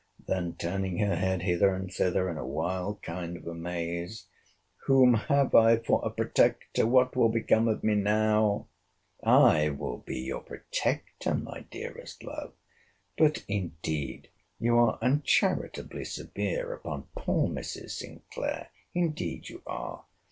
Then, turning her head hither and thither, in a wild kind of amaze. Whom have I for a protector! What will become of me now! I will be your protector, my dearest love!—But indeed you are uncharitably severe upon poor Mrs. Sinclair! Indeed you are!